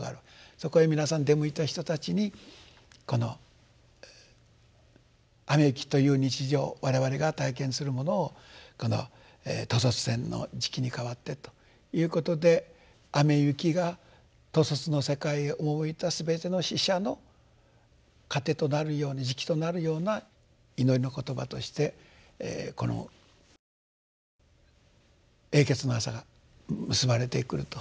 そこへ皆さん出向いた人たちにこの雨雪という日常我々が体験するものをこの兜率天の食に変わってということで雨雪が兜率の世界へ赴いたすべての死者の資糧となるように食となるような祈りの言葉としてこの「永訣の朝」が結ばれてくると。